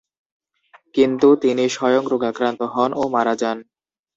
কিন্তু তিনি স্বয়ং রোগাক্রান্ত হন ও মারা যান।